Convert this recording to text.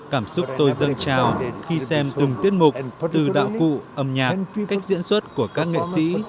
cảm xúc tôi dâng trào khi xem từng tiết mục từ đạo cụ âm nhạc cách diễn xuất của các nghệ sĩ